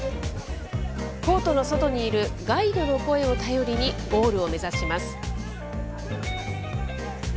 コートの外にいるガイドの声を頼りにゴールを目指します。